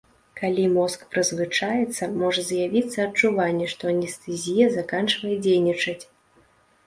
Калі мозг прызвычаіцца, можа з'явіцца адчуванне, што анестэзія заканчвае дзейнічаць.